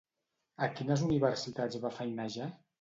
A quines universitats va feinejar?